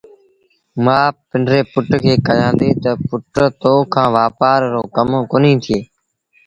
مآ پنڊري پُٽ کي ڪهيآݩديٚ تا پُٽ تو کآݩ وآپآر رو ڪم ڪونهيٚ ٿئي